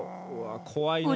怖いな。